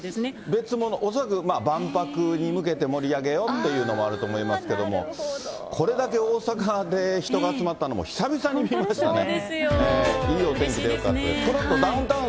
恐らく万博に向けて盛り上げようっていうのもあると思いますけども、これだけ大阪で人が集まったのも久々に見ましたね。